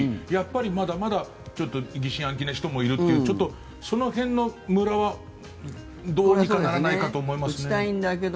まだまだ疑心暗鬼な人もいるというちょっと、その辺のむらはどうにかならないかと思いますけど。